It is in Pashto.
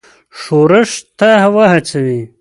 ښورښ ته وهڅوي.